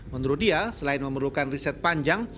menurut dia selain memerlukan riset panjang